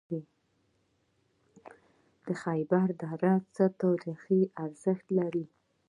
د خیبر دره څه تاریخي ارزښت لري؟